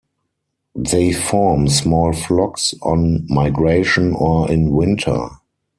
They form small flocks on migration or in winter.